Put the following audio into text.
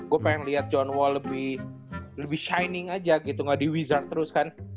gue pengen liat john wall lebih shining aja gitu gak di wizard terus kan